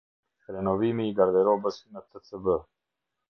Renovimi i garderobes ne tcb